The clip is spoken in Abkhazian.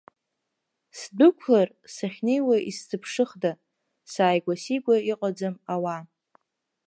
Сдәықәлар, сахьнеиуа исзыԥшыхда, сааигәа-сигәа иҟаӡам ауаа.